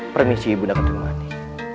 permisi ibu nakat temani